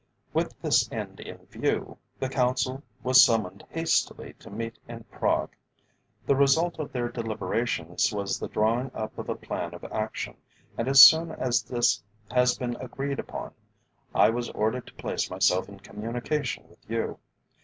With this end in view, the Council was summoned hastily to meet in Prague. The result of their deliberations was the drawing up of a plan of action, and as soon as this had been agreed upon, I was ordered to place myself in communication with you.